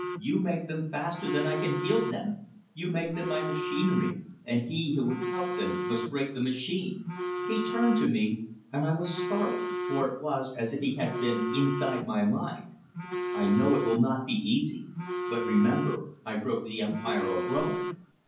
"You make them faster than I can heal them! You make them by machinery and he who would help them must break the machine!" He turned to me; and I was startled, for it was as if he had been inside my mind. "I know, it will not be easy! But remember, I broke the empire of Rome!"